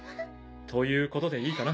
ということでいいかな？